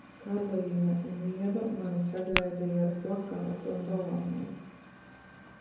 Karlīne un Ieva mani sagaidīja ar plakātu un baloniem.